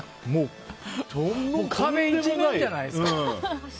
壁一面じゃないですか。